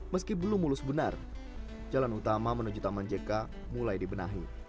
meski belum mulus benar jalan utama menuju taman jk mulai dibenahi